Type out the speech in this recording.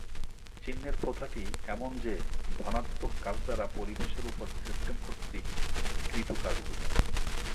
চিহ্নের প্রথাটি এমন যে, ধনাত্মক কাজ দ্বারা পরিবেশের ওপর সিস্টেম কর্তৃক কৃত কাজ বোঝায়।